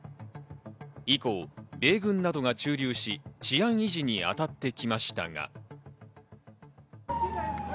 以降、米軍などが駐留し、治安維持に当たってきましたが。